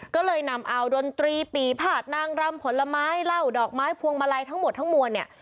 ก็เลยนำอ่าวดนตรีปลีผาดนางร่ำผลไม้เหล้าดอกไม้ภวงมะไรทั้งหมดทั้งมวล